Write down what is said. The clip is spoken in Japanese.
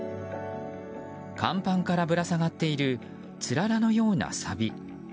甲板からぶら下がっているつららのようなサビ。